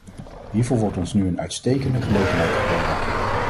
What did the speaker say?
Hiervoor wordt ons nu een uitstekende gelegenheid geboden.